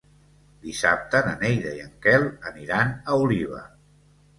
Dissabte na Neida i en Quel aniran a Oliva.